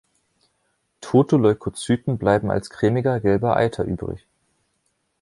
Tote Leukozyten bleiben als cremiger gelber Eiter übrig.